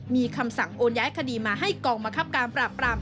มีคำสั่งโอนย้ายคดีมาให้กองมะครับการปราบปราม